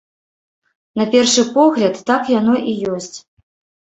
На першы погляд, так яно і ёсць.